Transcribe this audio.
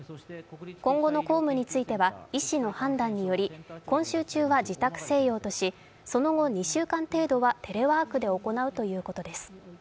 今後の公務については医師の判断により今週中は自宅静養としその後、２週間程度はテレワークで行うということです。